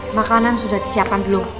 makanan sudah disiapkan belum